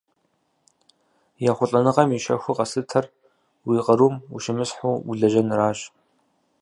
ЕхъулӀэныгъэм и щэхуу къэслъытэр уи къарум ущымысхьу улэжьэныращ.